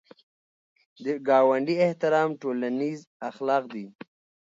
د ګاونډي احترام ټولنیز اخلاق دي